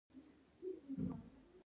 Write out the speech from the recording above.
کویلیو پریکړه وکړه چې لیکوال شي.